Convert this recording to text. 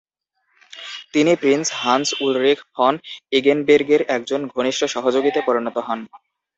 তিনি prince Hans Ulrich von এগেনবের্গের একজন ঘনিষ্ঠ সহযোগীতে পরিণত হন।